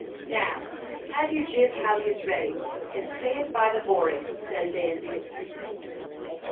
"Now, have your jib halyards ready, and stand by the moorings," said Dandy.